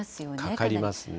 かかりますね。